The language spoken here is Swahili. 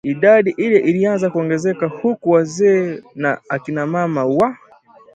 idadi ile ilianza kuongezeka huku wazee na akina mama wa